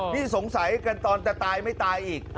นี่สงสัยกันตอนจะตายไม่ตายอีก